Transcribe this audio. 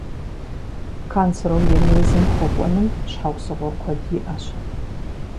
Канцерогенезым хуэкӀуэным щхьэусыгъуэ куэд иӀэщ.